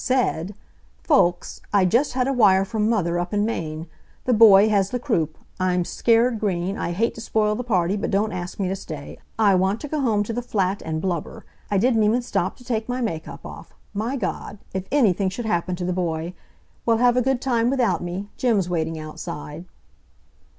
" said: 'Folks, I just had a wire from mother, up in Maine. The boy has the croup. I'm scared green. I hate to spoil the party, but don't ask me to stay. I want to go home to the flat and blubber. I didn't even stop to take my make up off. My God! If anything should happen to the boy! Well, have a good time without me. Jim's waiting outside.'"